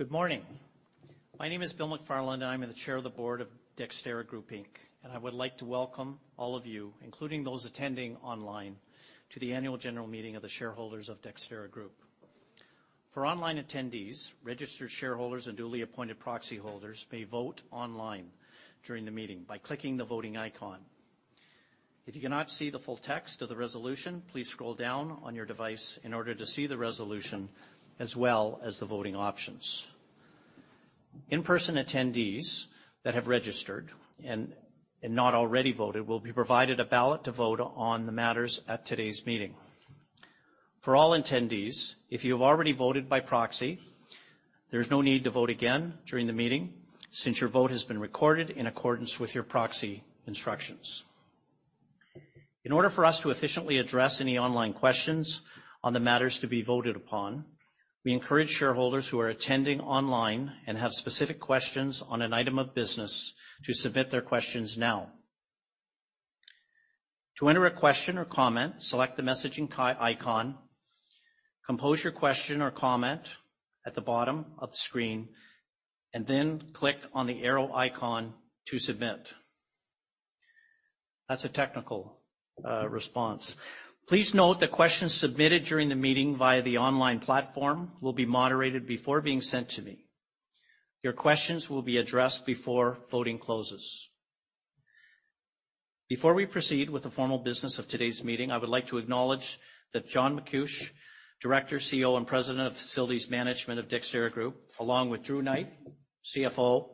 Good morning. My name is Bill McFarland, and I'm the Chair of the Board of Dexterra Group Inc. I would like to welcome all of you, including those attending online, to the annual general meeting of the shareholders of Dexterra Group. For online attendees, registered shareholders, and duly appointed proxy holders may vote online during the meeting by clicking the voting icon. If you cannot see the full text of the resolution, please scroll down on your device in order to see the resolution as well as the voting options. In-person attendees that have registered and not already voted will be provided a ballot to vote on the matters at today's meeting. For all attendees, if you have already voted by proxy, there's no need to vote again during the meeting, since your vote has been recorded in accordance with your proxy instructions. In order for us to efficiently address any online questions on the matters to be voted upon, we encourage shareholders who are attending online and have specific questions on an item of business to submit their questions now. To enter a question or comment, select the messaging icon, compose your question or comment at the bottom of the screen, and then click on the arrow icon to submit. That's a technical response. Please note that questions submitted during the meeting via the online platform will be moderated before being sent to me. Your questions will be addressed before voting closes. Before we proceed with the formal business of today's meeting, I would like to acknowledge that John MacCuish, Director, CEO, and President of Facilities Management of Dexterra Group, along with Drew Knight, CFO,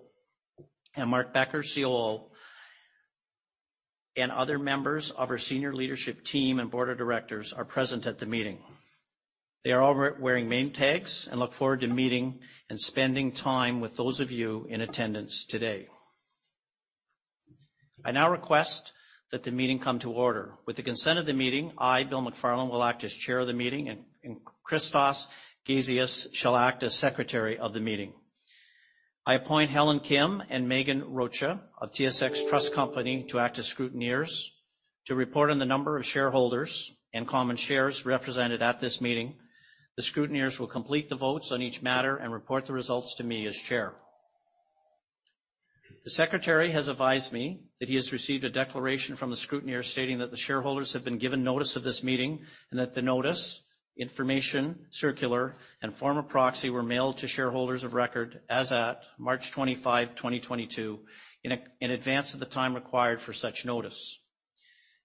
and Mark Becker, COO, and other members of our senior leadership team and board of directors are present at the meeting. They are all wearing name tags and look forward to meeting and spending time with those of you in attendance today. I now request that the meeting come to order. With the consent of the meeting, I, Bill McFarland, will act as chair of the meeting and Christos Gazeas shall act as secretary of the meeting. I appoint Helen Kim and Megan Rocha of TSX Trust Company to act as scrutineers to report on the number of shareholders and common shares represented at this meeting. The scrutineers will complete the votes on each matter and report the results to me as chair. The secretary has advised me that he has received a declaration from the scrutineers stating that the shareholders have been given notice of this meeting and that the notice, information circular, and form of proxy were mailed to shareholders of record as at March 25, 2022, in advance of the time required for such notice.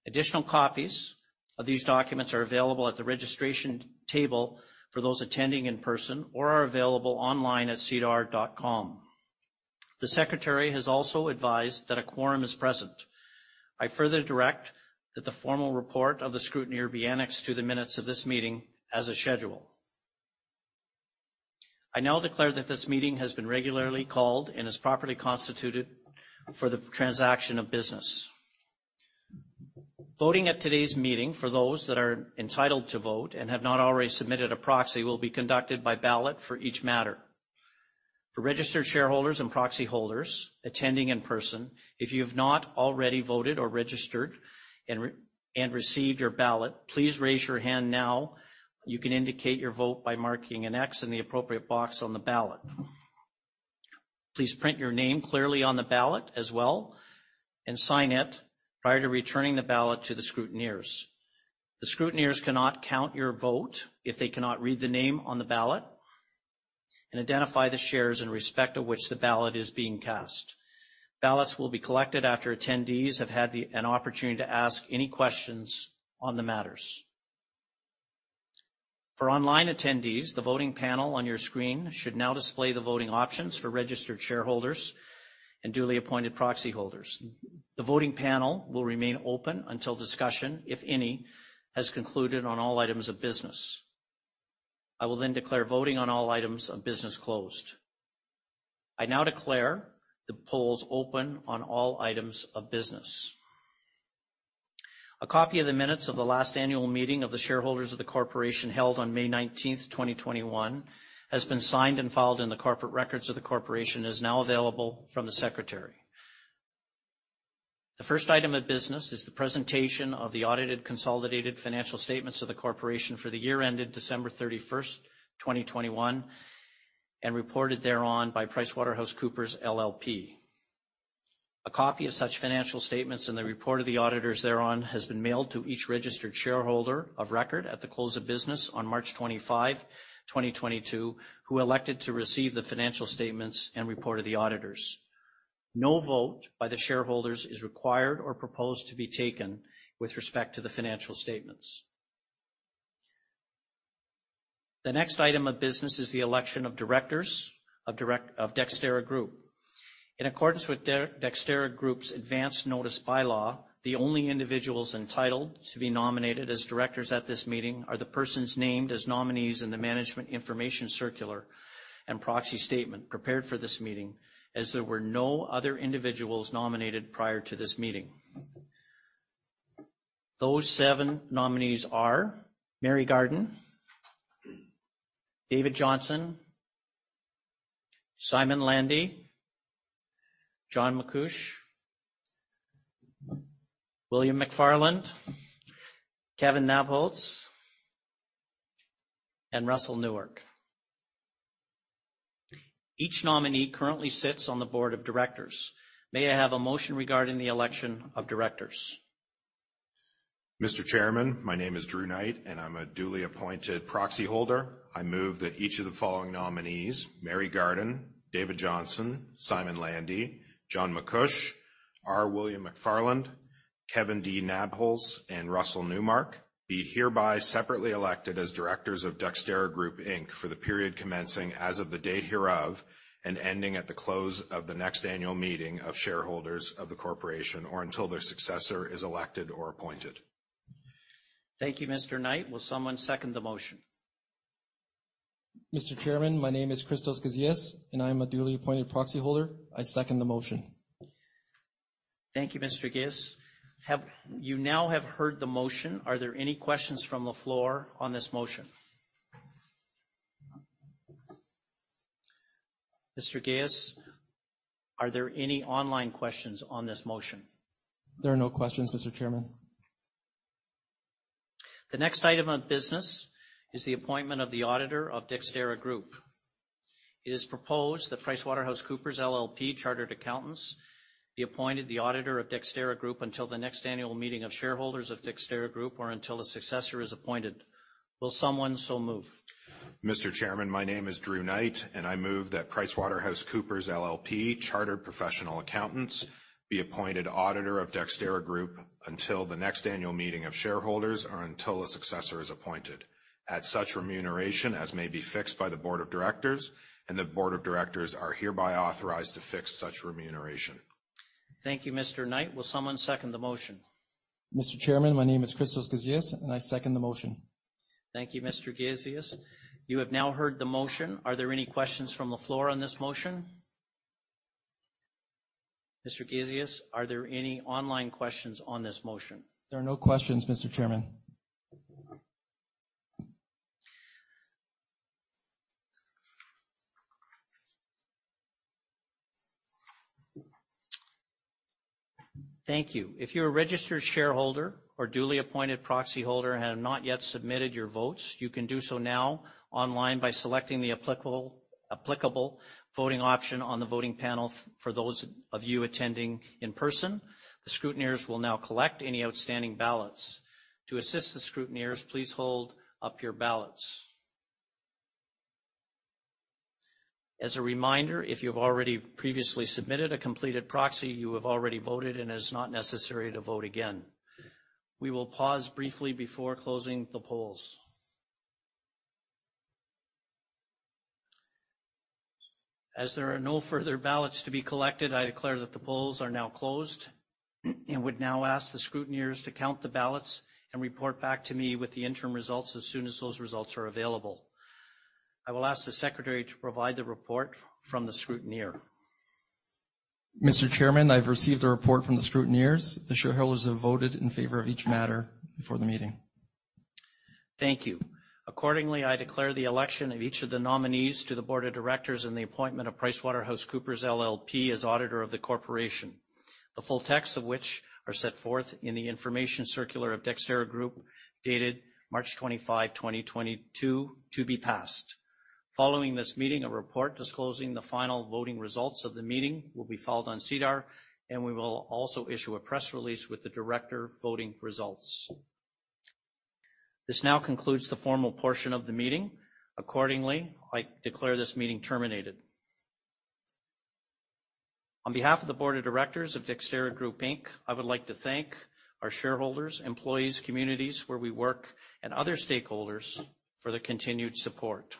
Additional copies of these documents are available at the registration table for those attending in person or are available online at sedar.com. The secretary has also advised that a quorum is present. I further direct that the formal report of the scrutineer be annexed to the minutes of this meeting as a schedule. I now declare that this meeting has been regularly called and is properly constituted for the transaction of business. Voting at today's meeting, for those that are entitled to vote and have not already submitted a proxy, will be conducted by ballot for each matter. For registered shareholders and proxy holders attending in person, if you have not already voted or registered and received your ballot, please raise your hand now. You can indicate your vote by marking an X in the appropriate box on the ballot. Please print your name clearly on the ballot as well, and sign it prior to returning the ballot to the scrutineers. The scrutineers cannot count your vote if they cannot read the name on the ballot and identify the shares in respect of which the ballot is being cast. Ballots will be collected after attendees have had an opportunity to ask any questions on the matters. For online attendees, the voting panel on your screen should now display the voting options for registered shareholders and duly appointed proxy holders. The voting panel will remain open until discussion, if any, has concluded on all items of business. I will then declare voting on all items of business closed. I now declare the polls open on all items of business. A copy of the minutes of the last annual meeting of the shareholders of the corporation held on May 19, 2021, has been signed and filed in the corporate records of the corporation and is now available from the secretary. The first item of business is the presentation of the audited consolidated financial statements of the corporation for the year ended December 31, 2021, and reported thereon by PricewaterhouseCoopers LLP. A copy of such financial statements and the report of the auditors thereon has been mailed to each registered shareholder of record at the close of business on March 25, 2022, who elected to receive the financial statements and report of the auditors. No vote by the shareholders is required or proposed to be taken with respect to the financial statements. The next item of business is the election of directors of Dexterra Group. In accordance with Dexterra Group's advanced notice bylaw, the only individuals entitled to be nominated as directors at this meeting are the persons named as nominees in the management information circular and proxy statement prepared for this meeting, as there were no other individuals nominated prior to this meeting. Those seven nominees are Mary Garden, David Johnston, Simon Landy, John MacCuish, William McFarland, Kevin Nabholz, and Russell Newmark. Each nominee currently sits on the board of directors. May I have a motion regarding the election of directors? Mr. Chairman, my name is Drew Knight, and I'm a duly appointed proxy holder. I move that each of the following nominees, Mary Garden, David Johnston, Simon Landy, John MacCuish, R. William McFarland, Kevin D. Nabholz, and Russell A. Newmark, be hereby separately elected as directors of Dexterra Group Inc for the period commencing as of the date hereof and ending at the close of the next annual meeting of shareholders of the corporation or until their successor is elected or appointed. Thank you, Mr. Knight. Will someone second the motion? Mr. Chairman, my name is Christos Gazeas, and I am a duly appointed proxy holder. I second the motion. Thank you, Mr. Gazeas. You now have heard the motion. Are there any questions from the floor on this motion? Mr. Gazeas, are there any online questions on this motion? There are no questions, Mr. Chairman. The next item of business is the appointment of the auditor of Dexterra Group. It is proposed that PricewaterhouseCoopers LLP Chartered Accountants be appointed the auditor of Dexterra Group until the next annual meeting of shareholders of Dexterra Group or until a successor is appointed. Will someone so move? Mr. Chairman, my name is Drew Knight, and I move that PricewaterhouseCoopers LLP Chartered Professional Accountants be appointed auditor of Dexterra Group until the next annual meeting of shareholders or until a successor is appointed at such remuneration as may be fixed by the board of directors, and the board of directors are hereby authorized to fix such remuneration. Thank you, Mr. Knight. Will someone second the motion? Mr. Chairman, my name is Christos Gazeas, and I second the motion. Thank you, Mr. Gazeas. You have now heard the motion. Are there any questions from the floor on this motion? Mr. Gazeas, are there any online questions on this motion? There are no questions, Mr. Chairman. Thank you. If you're a registered shareholder or duly appointed proxy holder and have not yet submitted your votes, you can do so now online by selecting the applicable voting option on the voting panel. For those of you attending in person, the scrutineers will now collect any outstanding ballots. To assist the scrutineers, please hold up your ballots. As a reminder, if you've already previously submitted a completed proxy, you have already voted and it is not necessary to vote again. We will pause briefly before closing the polls. As there are no further ballots to be collected, I declare that the polls are now closed and would now ask the scrutineers to count the ballots and report back to me with the interim results as soon as those results are available. I will ask the secretary to provide the report from the scrutineer. Mr. Chairman, I've received a report from the scrutineers. The shareholders have voted in favor of each matter before the meeting. Thank you. Accordingly, I declare the election of each of the nominees to the board of directors and the appointment of PricewaterhouseCoopers LLP as auditor of the corporation, the full text of which are set forth in the information circular of Dexterra Group, dated March 25, 2022 to be passed. Following this meeting, a report disclosing the final voting results of the meeting will be filed on SEDAR, and we will also issue a press release with the director voting results. This now concludes the formal portion of the meeting. Accordingly, I declare this meeting terminated. On behalf of the board of directors of Dexterra Group Inc, I would like to thank our shareholders, employees, communities where we work, and other stakeholders for their continued support.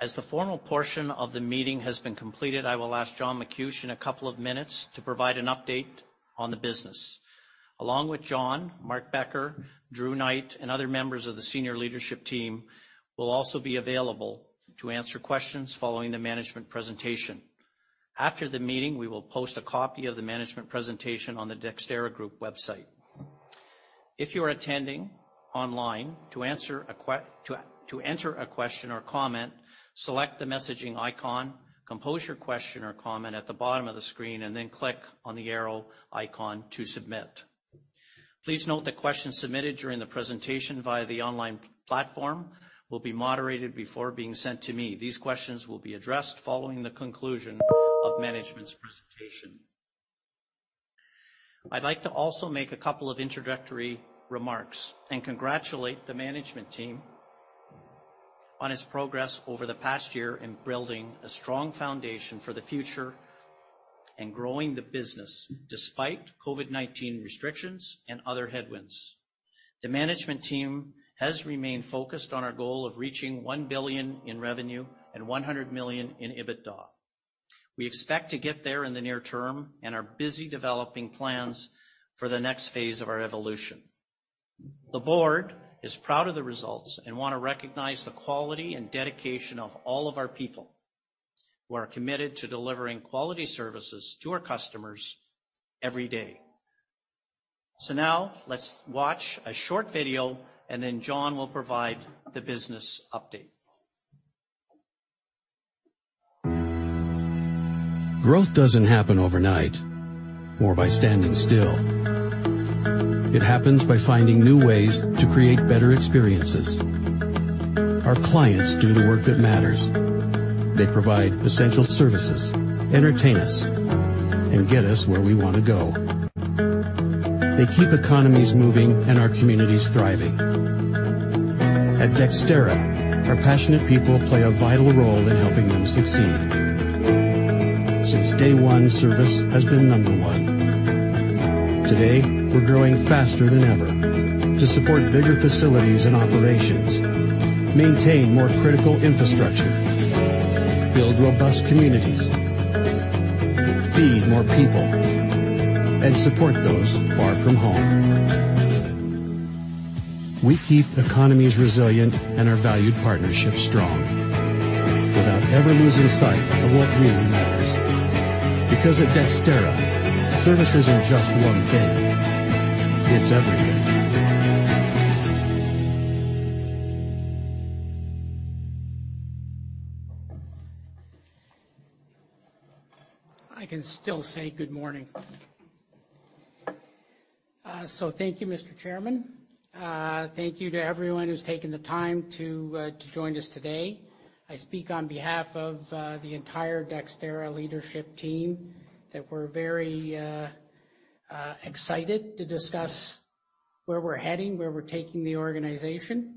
As the formal portion of the meeting has been completed, I will ask John MacCuish a couple of minutes to provide an update on the business. Along with John, Mark Becker, Drew Knight, and other members of the senior leadership team will also be available to answer questions following the management presentation. After the meeting, we will post a copy of the management presentation on the Dexterra Group website. If you are attending online, to enter a question or comment, select the messaging icon, compose your question or comment at the bottom of the screen, and then click on the arrow icon to submit. Please note that questions submitted during the presentation via the online platform will be moderated before being sent to me. These questions will be addressed following the conclusion of management's presentation. I'd like to also make a couple of introductory remarks and congratulate the management team on its progress over the past year in building a strong foundation for the future and growing the business, despite COVID-19 restrictions and other headwinds. The management team has remained focused on our goal of reaching 1 billion in revenue and 100 million in EBITDA. We expect to get there in the near term and are busy developing plans for the next phase of our evolution. The board is proud of the results and wanna recognize the quality and dedication of all of our people, who are committed to delivering quality services to our customers every day. Now let's watch a short video, and then John will provide the business update. Growth doesn't happen overnight or by standing still. It happens by finding new ways to create better experiences. Our clients do the work that matters. They provide essential services, entertain us, and get us where we want to go. They keep economies moving and our communities thriving. At Dexterra, our passionate people play a vital role in helping them succeed. Since day one, service has been number one. Today, we're growing faster than ever to support bigger facilities and operations, maintain more critical infrastructure, build robust communities, feed more people, and support those far from home. We keep economies resilient and our valued partnerships strong without ever losing sight of what really matters. Because at Dexterra, service isn't just one thing, it's everything. I can still say good morning. Thank you, Mr. Chairman. Thank you to everyone who's taken the time to join us today. I speak on behalf of the entire Dexterra leadership team that we're very excited to discuss where we're heading, where we're taking the organization.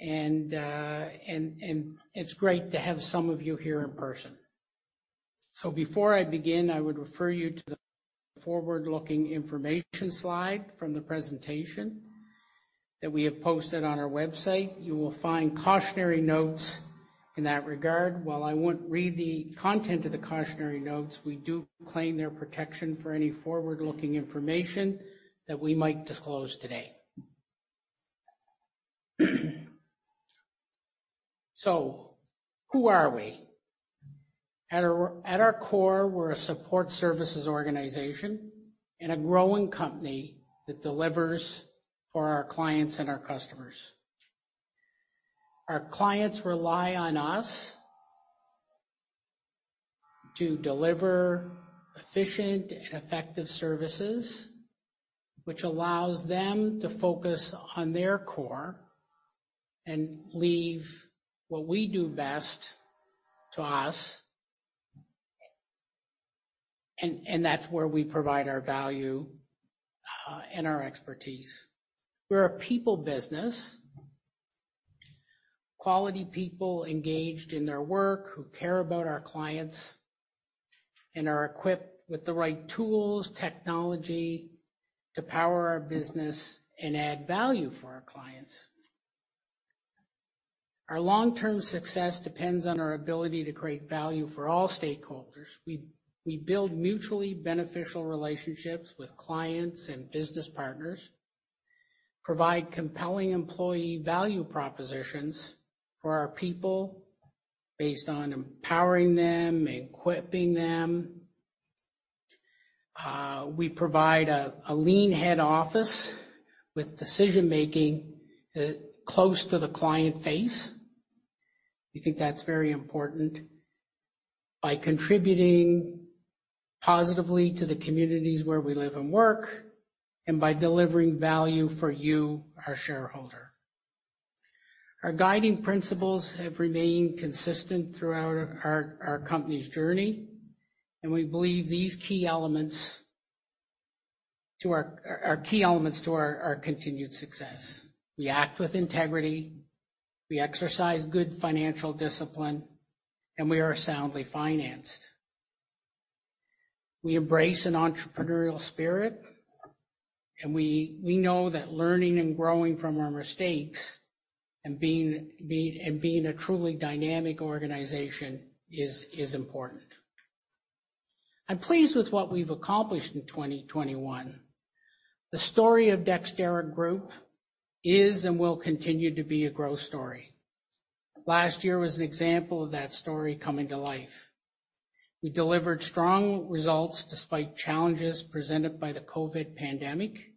It's great to have some of you here in person. Before I begin, I would refer you to the forward-looking information slide from the presentation that we have posted on our website. You will find cautionary notes in that regard. While I won't read the content of the cautionary notes, we do claim their protection for any forward-looking information that we might disclose today. Who are we? At our core, we're a support services organization and a growing company that delivers for our clients and our customers. Our clients rely on us to deliver efficient and effective services, which allows them to focus on their core and leave what we do best to us. That's where we provide our value and our expertise. We're a people business. Quality people engaged in their work, who care about our clients, and are equipped with the right tools, technology to power our business and add value for our clients. Our long-term success depends on our ability to create value for all stakeholders. We build mutually beneficial relationships with clients and business partners, provide compelling employee value propositions for our people based on empowering them, equipping them. We provide a lean head office with decision-making close to the client face. We think that's very important. By contributing positively to the communities where we live and work, and by delivering value for you, our shareholder. Our guiding principles have remained consistent throughout our company's journey, and we believe these key elements are key elements to our continued success. We act with integrity, we exercise good financial discipline, and we are soundly financed. We embrace an entrepreneurial spirit, and we know that learning and growing from our mistakes and being a truly dynamic organization is important. I'm pleased with what we've accomplished in 2021. The story of Dexterra Group is and will continue to be a growth story. Last year was an example of that story coming to life. We delivered strong results despite challenges presented by the COVID-19 pandemic.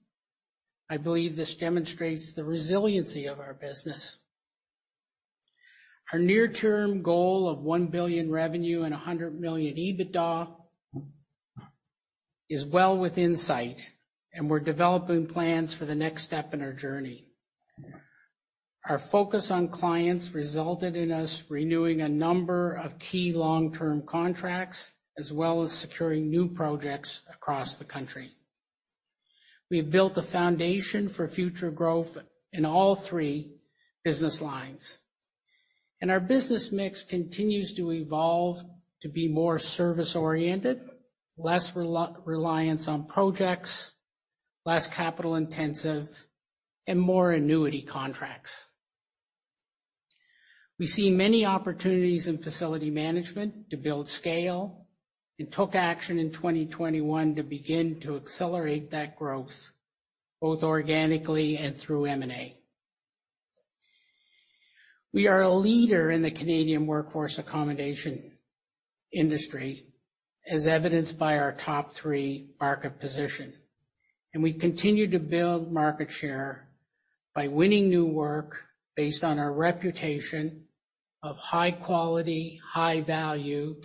I believe this demonstrates the resiliency of our business. Our near-term goal of 1 billion revenue and 100 million EBITDA is well within sight, and we're developing plans for the next step in our journey. Our focus on clients resulted in us renewing a number of key long-term contracts, as well as securing new projects across the country. We've built a foundation for future growth in all three business lines, and our business mix continues to evolve to be more service-oriented, less reliance on projects, less capital-intensive, and more annuity contracts. We see many opportunities in facility management to build scale, and took action in 2021 to begin to accelerate that growth both organically and through M&A. We are a leader in the Canadian workforce accommodation industry, as evidenced by our top three market position. We continue to build market share by winning new work based on our reputation of high quality, high value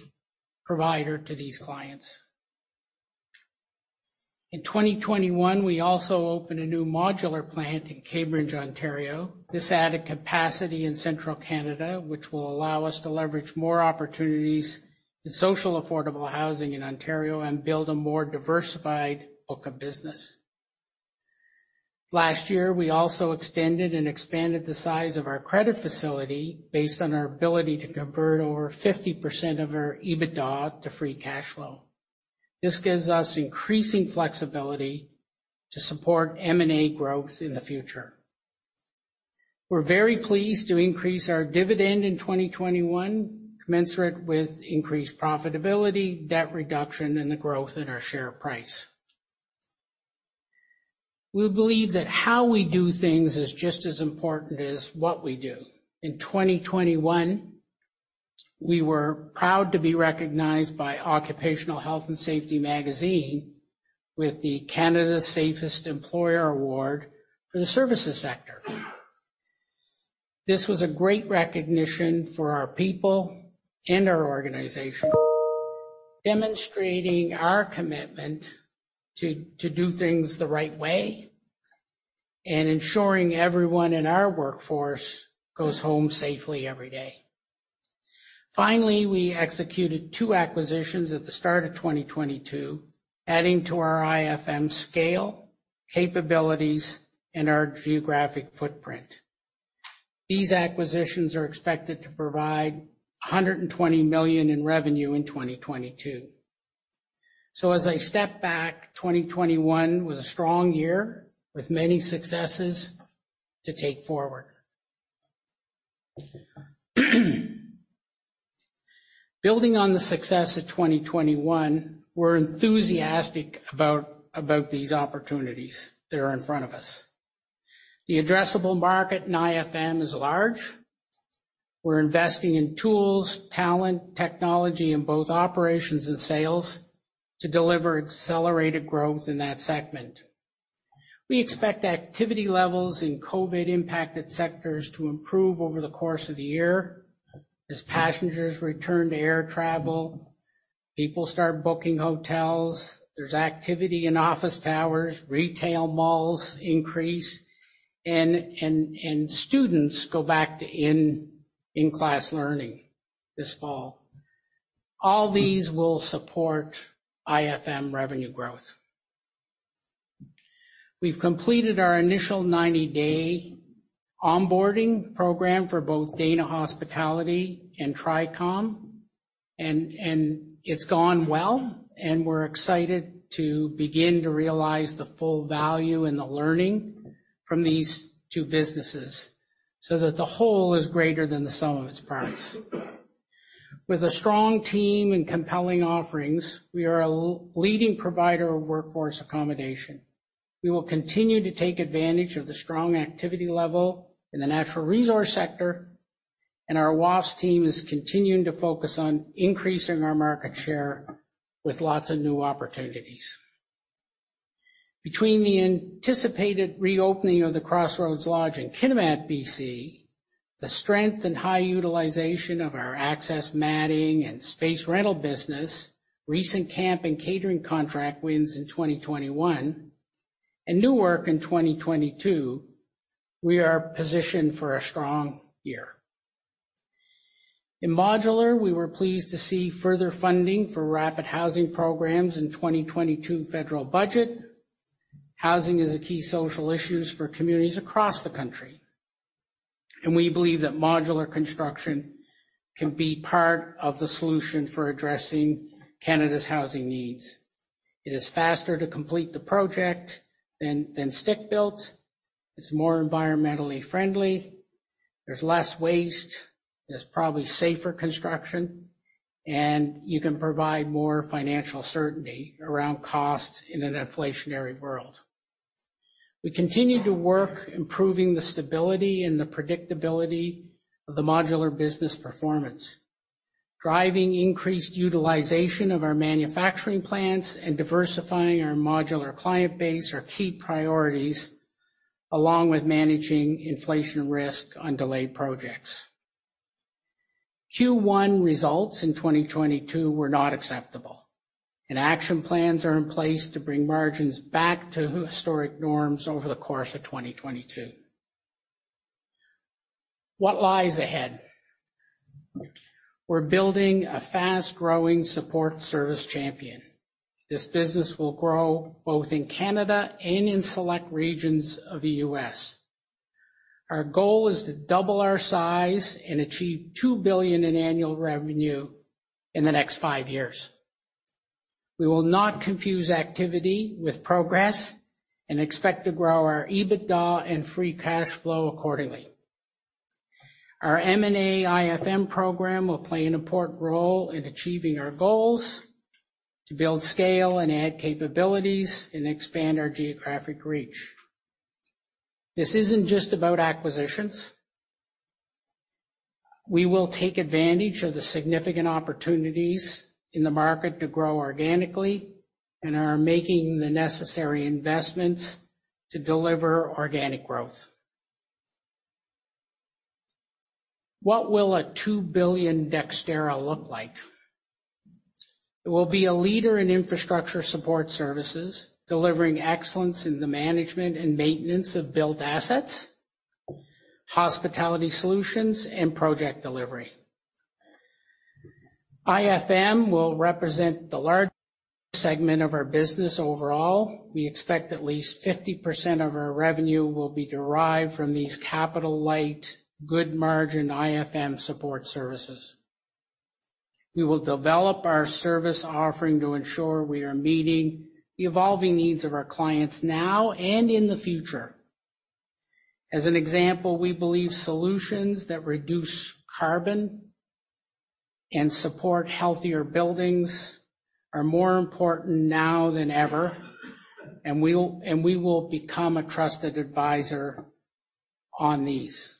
provider to these clients. In 2021, we also opened a new modular plant in Cambridge, Ontario. This added capacity in Central Canada, which will allow us to leverage more opportunities in social affordable housing in Ontario and build a more diversified book of business. Last year, we also extended and expanded the size of our credit facility based on our ability to convert over 50% of our EBITDA to free cash flow. This gives us increasing flexibility to support M&A growth in the future. We're very pleased to increase our dividend in 2021, commensurate with increased profitability, debt reduction, and the growth in our share price. We believe that how we do things is just as important as what we do. In 2021, we were proud to be recognized by Canadian Occupational Safety with the Canada's Safest Employer Award for the services sector. This was a great recognition for our people and our organization, demonstrating our commitment to do things the right way and ensuring everyone in our workforce goes home safely every day. Finally, we executed two acquisitions at the start of 2022, adding to our IFM scale, capabilities, and our geographic footprint. These acquisitions are expected to provide 120 million in revenue in 2022. As I step back, 2021 was a strong year with many successes to take forward. Building on the success of 2021, we're enthusiastic about these opportunities that are in front of us. The addressable market in IFM is large. We're investing in tools, talent, technology in both operations and sales to deliver accelerated growth in that segment. We expect activity levels in COVID-impacted sectors to improve over the course of the year as passengers return to air travel, people start booking hotels, there's activity in office towers, retail malls increase, and students go back to in-class learning this fall. All these will support IFM revenue growth. We've completed our initial 90-day onboarding program for both Dana Hospitality and TRICOM, and it's gone well, and we're excited to begin to realize the full value in the learning from these two businesses so that the whole is greater than the sum of its parts. With a strong team and compelling offerings, we are a leading provider of workforce accommodation. We will continue to take advantage of the strong activity level in the natural resource sector, and our WAFES team is continuing to focus on increasing our market share with lots of new opportunities. Between the anticipated reopening of the Crossroads Lodge in Kitimat, B.C., the strength and high utilization of our access matting and space rental business, recent camp and catering contract wins in 2021, and new work in 2022, we are positioned for a strong year. In modular, we were pleased to see further funding for rapid housing programs in 2022 federal budget. Housing is a key social issues for communities across the country, and we believe that modular construction can be part of the solution for addressing Canada's housing needs. It is faster to complete the project than stick built. It's more environmentally friendly. There's less waste. There's probably safer construction, and you can provide more financial certainty around costs in an inflationary world. We continue to work improving the stability and the predictability of the modular business performance. Driving increased utilization of our manufacturing plants and diversifying our modular client base are key priorities, along with managing inflation risk on delayed projects. Q1 results in 2022 were not acceptable, and action plans are in place to bring margins back to historic norms over the course of 2022. What lies ahead? We're building a fast-growing support service champion. This business will grow both in Canada and in select regions of the U.S. Our goal is to double our size and achieve 2 billion in annual revenue in the next five years. We will not confuse activity with progress and expect to grow our EBITDA and free cash flow accordingly. Our M&A IFM program will play an important role in achieving our goals. To build scale and add capabilities and expand our geographic reach. This isn't just about acquisitions. We will take advantage of the significant opportunities in the market to grow organically and are making the necessary investments to deliver organic growth. What will a 2 billion Dexterra look like? It will be a leader in infrastructure support services, delivering excellence in the management and maintenance of built assets, hospitality solutions, and project delivery. IFM will represent the large segment of our business overall. We expect at least 50% of our revenue will be derived from these capital-light, good margin IFM support services. We will develop our service offering to ensure we are meeting the evolving needs of our clients now and in the future. As an example, we believe solutions that reduce carbon and support healthier buildings are more important now than ever, and we will become a trusted advisor on these.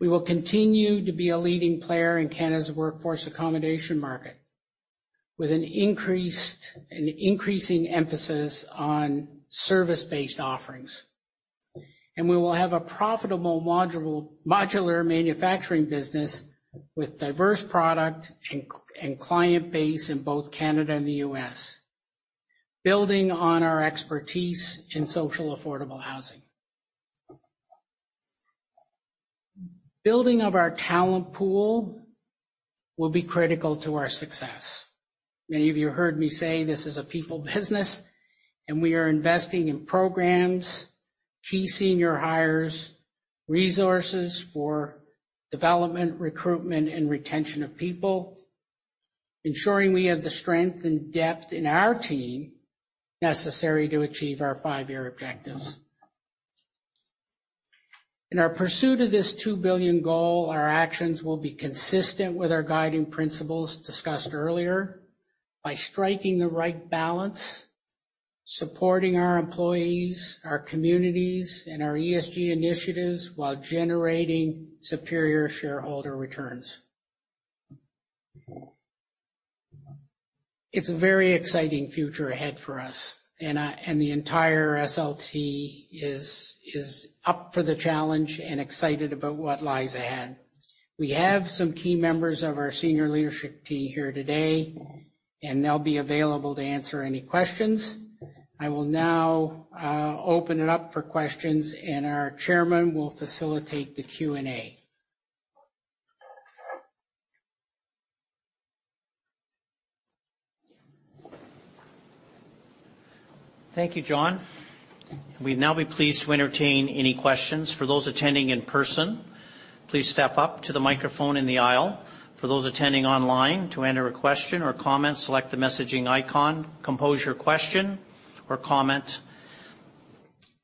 We will continue to be a leading player in Canada's workforce accommodation market with an increasing emphasis on service-based offerings. We will have a profitable modular manufacturing business with diverse product and client base in both Canada and the U.S., building on our expertise in social and affordable housing. Building of our talent pool will be critical to our success. Many of you heard me say this is a people business, and we are investing in programs, key senior hires, resources for development, recruitment, and retention of people, ensuring we have the strength and depth in our team necessary to achieve our five-year objectives. In our pursuit of this 2 billion goal, our actions will be consistent with our guiding principles discussed earlier, by striking the right balance, supporting our employees, our communities, and our ESG initiatives while generating superior shareholder returns. It's a very exciting future ahead for us, and the entire SLT is up for the challenge and excited about what lies ahead. We have some key members of our senior leadership team here today, and they'll be available to answer any questions. I will now open it up for questions, and our chairman will facilitate the Q&A. Thank you, John. We'd now be pleased to entertain any questions. For those attending in person, please step up to the microphone in the aisle. For those attending online, to enter a question or comment, select the messaging icon, compose your question or comment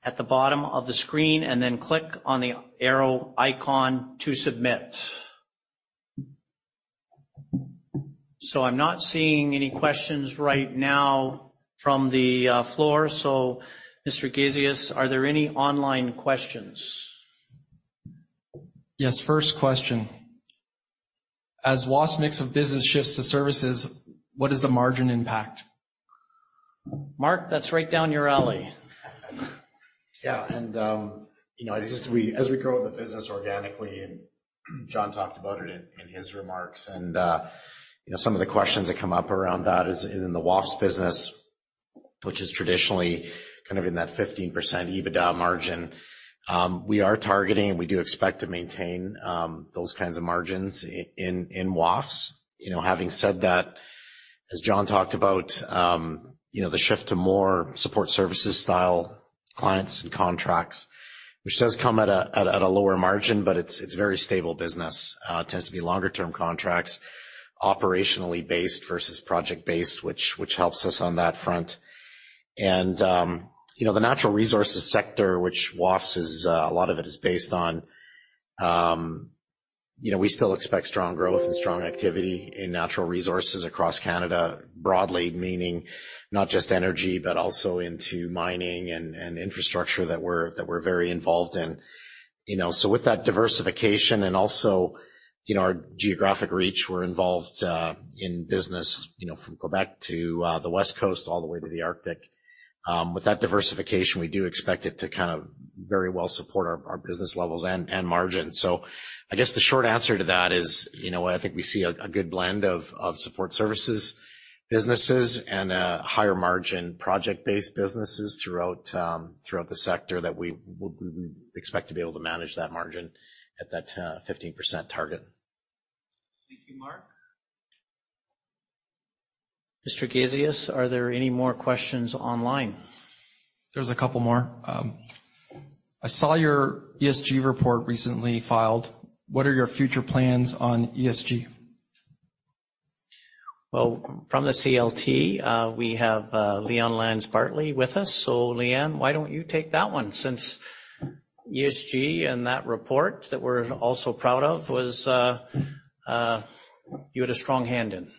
at the bottom of the screen, and then click on the arrow icon to submit. I'm not seeing any questions right now from the floor. Mr. Gazeas, are there any online questions? Yes. First question. As WAFES' mix of business shifts to services, what is the margin impact? Mark, that's right down your alley. Yeah. As we grow the business organically, and John talked about it in his remarks, you know, some of the questions that come up around that is in the WAFES business, which is traditionally kind of in that 15% EBITDA margin, we are targeting, and we do expect to maintain those kinds of margins in WAFES. You know, having said that, as John talked about, you know, the shift to more support services style clients and contracts, which does come at a lower margin, but it's very stable business. It tends to be longer term contracts, operationally based versus project-based, which helps us on that front. The natural resources sector, which WAFES is, a lot of it is based on, you know, we still expect strong growth and strong activity in natural resources across Canada broadly, meaning not just energy, but also into mining and infrastructure that we're very involved in. You know, with that diversification and also, you know, our geographic reach, we're involved in business, you know, from Quebec to the West Coast all the way to the Arctic. With that diversification, we do expect it to kind of very well support our business levels and margins. I guess the short answer to that is, I think we see a good blend of support services, businesses and higher margin project-based businesses throughout the sector that we expect to be able to manage that margin at that 15% target. Thank you, Mark. Mr. Gazeas, are there any more questions online? There's a couple more. I saw your ESG report recently filed. What are your future plans on ESG? Well, from the SLT, we have Lee-Anne Lyon-Bartley with us. Leanne, why don't you take that one since ESG and that report that we're also proud of was you had a strong hand in.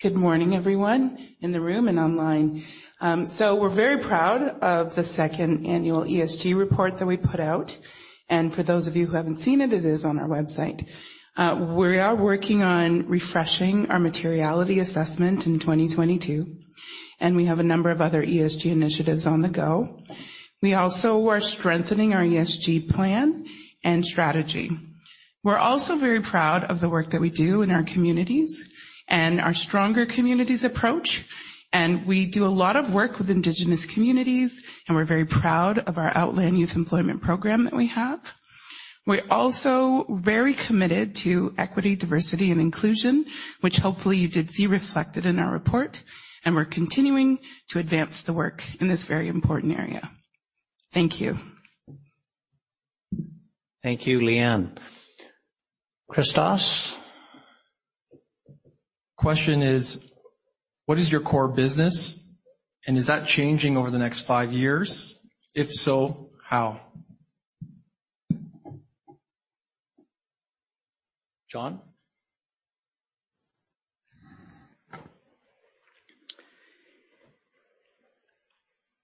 Good morning, everyone in the room and online. We're very proud of the second annual ESG report that we put out. For those of you who haven't seen it is on our website. We are working on refreshing our materiality assessment in 2022, and we have a number of other ESG initiatives on the go. We also are strengthening our ESG plan and strategy. We're also very proud of the work that we do in our communities and our stronger communities approach, and we do a lot of work with indigenous communities, and we're very proud of our Outland Youth Employment Program that we have. We're also very committed to equity, diversity, and inclusion, which hopefully you did see reflected in our report, and we're continuing to advance the work in this very important area. Thank you. Thank you, Lee-Anne. Christos. Question is, what is your core business, and is that changing over the next five years? If so, how? John?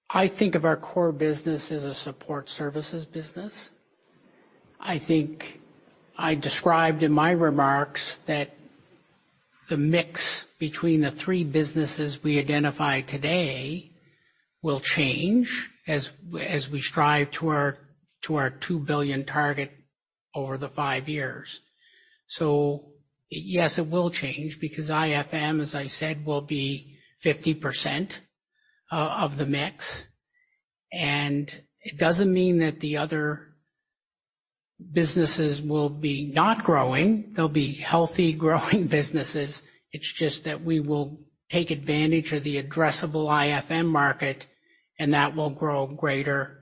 I think of our core business as a support services business. I think I described in my remarks that the mix between the three businesses we identify today will change as we strive to our 2 billion target over the five years. Yes, it will change because IFM, as I said, will be 50% of the mix. It doesn't mean that the other businesses will be not growing. They'll be healthy, growing businesses. It's just that we will take advantage of the addressable IFM market, and that will grow greater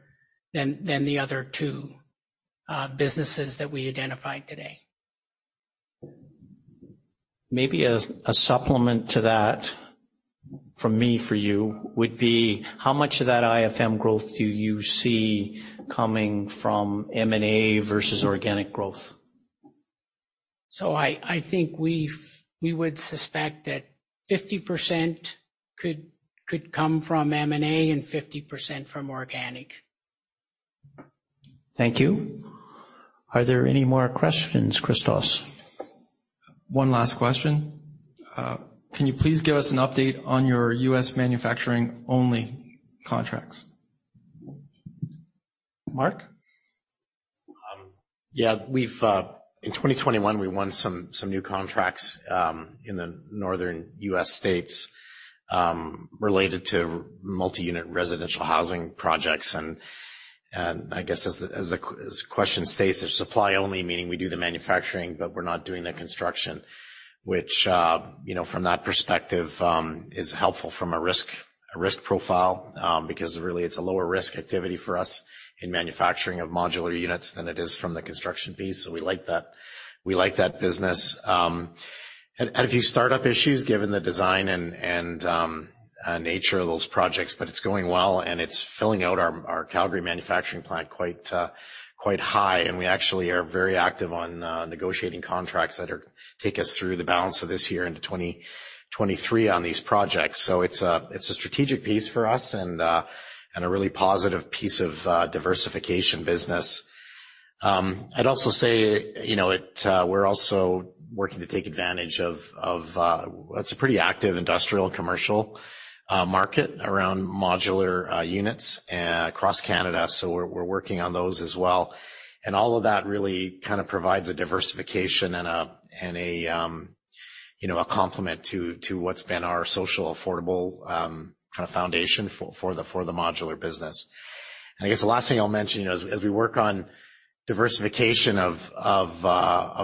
than the other two businesses that we identified today. Maybe a supplement to that from me for you would be how much of that IFM growth do you see coming from M&A versus organic growth? I think we would suspect that 50% could come from M&A and 50% from organic. Thank you. Are there any more questions, Christos? One last question. Can you please give us an update on your U.S. manufacturing-only contracts? Mark? Yeah. We've in 2021 won some new contracts in the northern U.S. states related to multi-unit residential housing projects. I guess as the question states, they're supply only, meaning we do the manufacturing, but we're not doing the construction, which, you know, from that perspective, is helpful from a risk profile because really, it's a lower risk activity for us in manufacturing of modular units than it is from the construction piece. We like that. We like that business. Had a few startup issues given the design and nature of those projects, but it's going well, and it's filling out our Calgary manufacturing plant quite high. We actually are very active on negotiating contracts that take us through the balance of this year into 2023 on these projects. It's a strategic piece for us and a really positive piece of diversification business. I'd also say, you know, we're also working to take advantage of what's a pretty active industrial and commercial market around modular units across Canada. We're working on those as well. All of that really kind of provides a diversification and a complement to what's been our social, affordable kind of foundation for the modular business. I guess the last thing I'll mention, you know, as we work on diversification of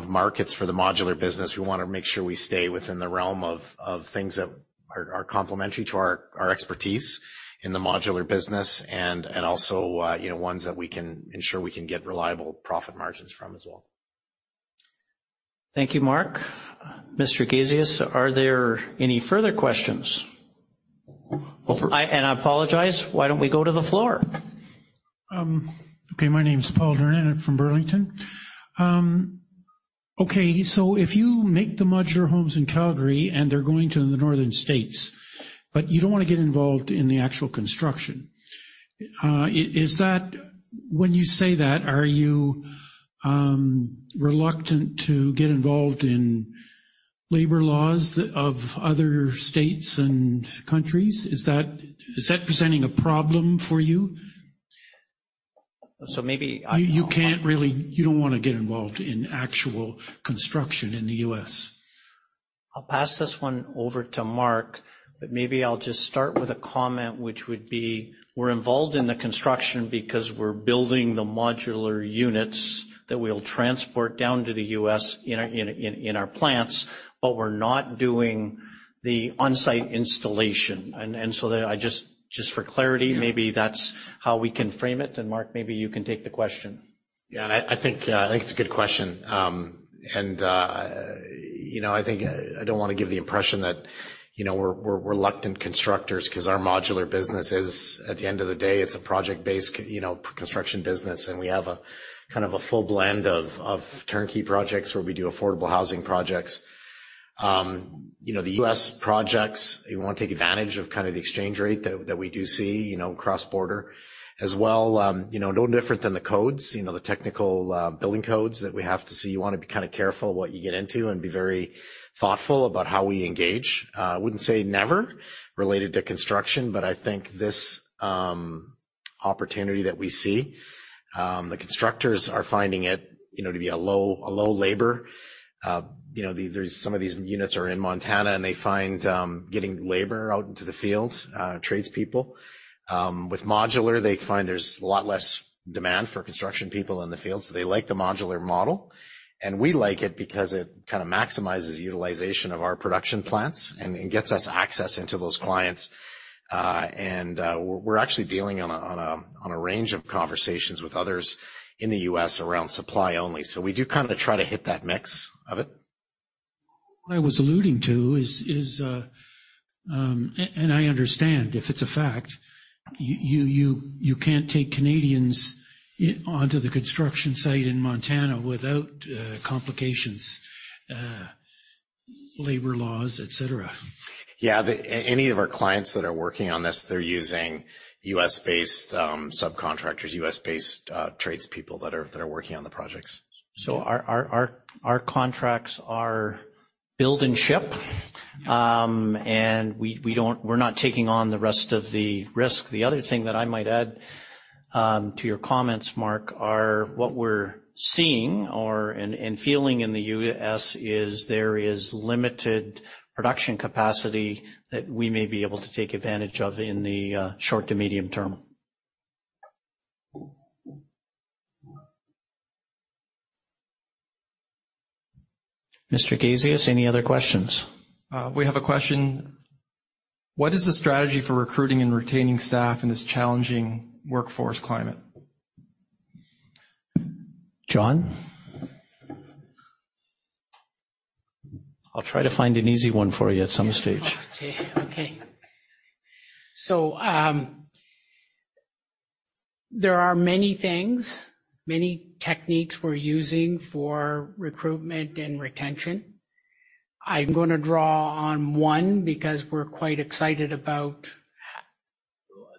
markets for the modular business, we wanna make sure we stay within the realm of things that are complementary to our expertise in the modular business and also, you know, ones that we can ensure we can get reliable profit margins from as well. Thank you, Mark. Mr. Gazeas, are there any further questions? I apologize. Why don't we go to the floor? My name is Paul Durnan. I'm from Burlington. If you make the modular homes in Calgary and they're going to the northern states, but you don't wanna get involved in the actual construction, when you say that, are you reluctant to get involved in labor laws of other states and countries? Is that presenting a problem for you? So maybe I- You don't wanna get involved in actual construction in the U.S. I'll pass this one over to Mark, but maybe I'll just start with a comment, which would be, we're involved in the construction because we're building the modular units that we'll transport down to the U.S. in our plants, but we're not doing the on-site installation. Just for clarity- Yeah. Maybe that's how we can frame it. Mark, maybe you can take the question. I think it's a good question. I think I don't want to give the impression that we're reluctant constructors 'cause our modular business is, at the end of the day, it's a project-based, you know, construction business, and we have a kind of a full blend of turnkey projects where we do affordable housing projects. You know, the U.S. projects, we want to take advantage of kinda the exchange rate that we do see, you know, cross-border. As well, you know, no different than the codes, you know, the technical building codes that we have to see. You want to be kinda careful what you get into and be very thoughtful about how we engage. I wouldn't say never related to construction, but I think this opportunity that we see, the constructors are finding it, you know, to be a low labor. You know, there's some of these units are in Montana, and they find getting labor out into the field, tradespeople. With modular, they find there's a lot less demand for construction people in the field, so they like the modular model. We like it because it kinda maximizes utilization of our production plants and it gets us access into those clients. We're actually dealing on a range of conversations with others in the U.S. around supply only. We do kinda try to hit that mix of it. What I was alluding to is and I understand if it's a fact. You can't take Canadians onto the construction site in Montana without complications, labor laws, etc. Yeah. Any of our clients that are working on this, they're using U.S.-based subcontractors, U.S.-based tradespeople that are working on the projects. Our contracts are build and ship, and we're not taking on the rest of the risk. The other thing that I might add to your comments, Mark, are what we're seeing and feeling in the U.S. is there is limited production capacity that we may be able to take advantage of in the short to medium term. Mr. Gazeas, any other questions? We have a question. What is the strategy for recruiting and retaining staff in this challenging workforce climate? John? I'll try to find an easy one for you at some stage. There are many things, many techniques we're using for recruitment and retention. I'm gonna draw on one because we're quite excited about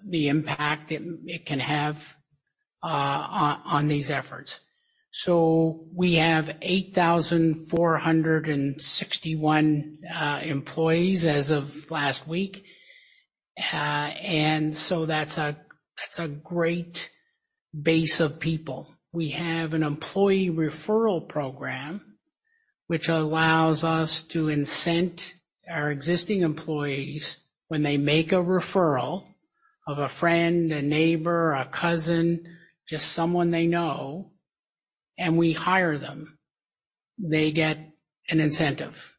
the impact it can have on these efforts. We have 8,461 employees as of last week. That's a great base of people. We have an employee referral program which allows us to incent our existing employees when they make a referral of a friend, a neighbor, a cousin, just someone they know, and we hire them. They get an incentive.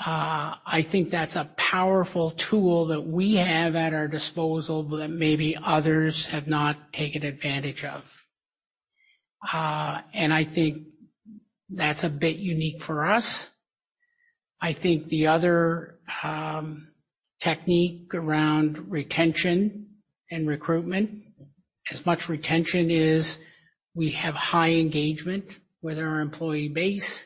I think that's a powerful tool that we have at our disposal that maybe others have not taken advantage of. I think that's a bit unique for us. I think the other technique around retention and recruitment, as much retention is we have high engagement with our employee base.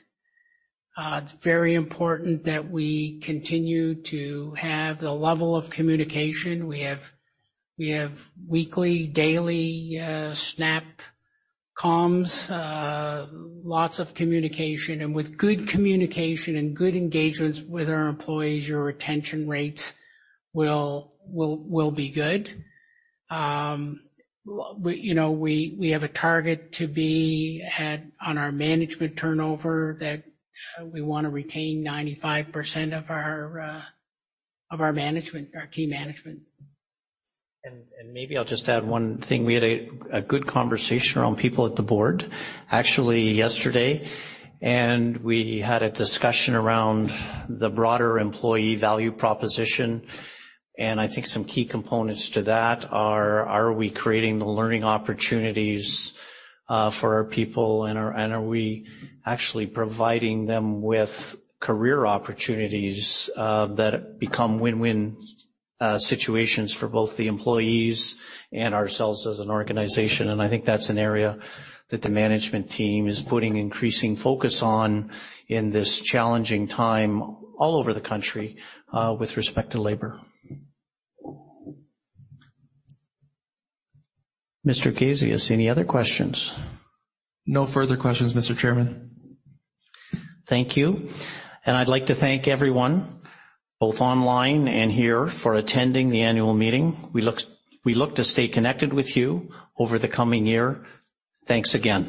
It's very important that we continue to have the level of communication we have. We have weekly, daily SnapComms, lots of communication. With good communication and good engagements with our employees, your retention rates will be good. You know, we have a target to be had on our management turnover that we wanna retain 95% of our management, our key management. Maybe I'll just add one thing. We had a good conversation around people at the board actually yesterday, and we had a discussion around the broader employee value proposition. I think some key components to that are we creating the learning opportunities for our people and are we actually providing them with career opportunities that become win-win situations for both the employees and ourselves as an organization. I think that's an area that the management team is putting increasing focus on in this challenging time all over the country with respect to labor. Mr. Gazeas, any other questions? No further questions, Mr. Chairman. Thank you. I'd like to thank everyone both online and here for attending the annual meeting. We look to stay connected with you over the coming year. Thanks again.